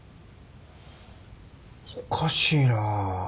おかしいな。